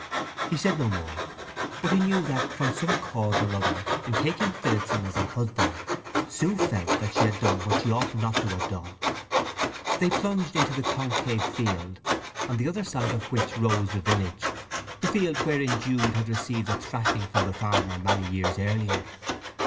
He said no more, but he knew that, from some cause or other, in taking Phillotson as a husband, Sue felt that she had done what she ought not to have done. They plunged into the concave field on the other side of which rose the village—the field wherein Jude had received a thrashing from the farmer many years earlier.